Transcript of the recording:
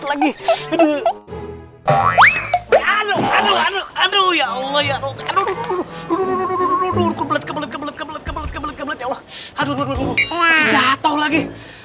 aduh jatoh lagi